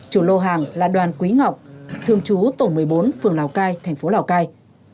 chủ lô hàng là đoàn quý ngọc thường chú tổ một mươi bốn phường lào cai thành phố lào cai